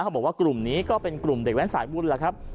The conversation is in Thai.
บอกว่ากลุ่มนี้ก็เป็นกลุ่มเด็กแว้นสายบุญแหละครับ